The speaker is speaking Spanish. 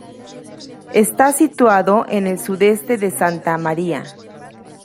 Está situado en el sudeste de Santa Maria.